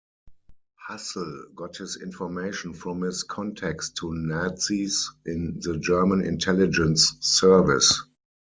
Hassel got his information from his contacts to nazis in the German intelligence service.